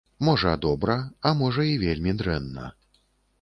Можа, добра, а можа, і вельмі дрэнна.